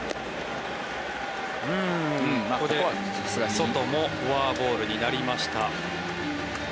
ソトもフォアボールになりました。